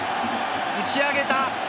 打ち上げた。